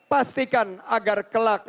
pastikan agar kelak